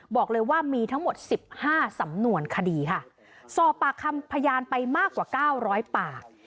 บอกเลยว่ามีทั้งหมดสิบห้าสำนวนคดีค่ะสอบปากคำพยานไปมากกว่าเก้าร้อยปาก